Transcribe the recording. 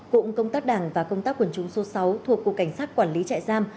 cụm công tác đảng và công tác quần chúng số sáu thuộc cục cảnh sát quản lý trại giam